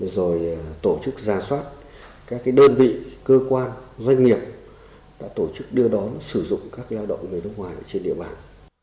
rồi tổ chức ra soát các đơn vị cơ quan doanh nghiệp đã tổ chức đưa đón sử dụng các lao động người nước ngoài trên địa bàn